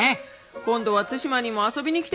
今度は対馬にも遊びに来てくれよな！